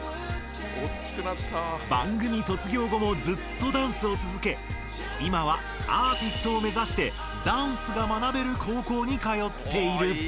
番組卒業後もずっとダンスを続けいまはアーティストを目指してダンスが学べる高校にかよっている。